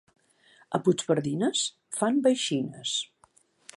A Puigpardines fan veixines.